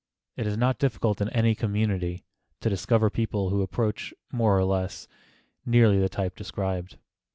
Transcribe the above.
It is not difficult in any community to discover people who approach more or less nearly the type described.